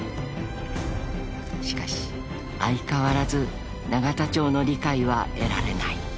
［しかし相変わらず永田町の理解は得られない］